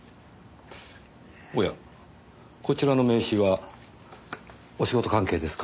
おやこちらの名刺はお仕事関係ですか？